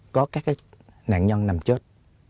có các nạn nhân nằm chết